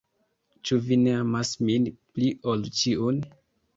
Ĉu vi ne amas min pli ol ĉiun?